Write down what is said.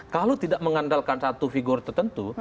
kalau tidak mengandalkan satu figur tertentu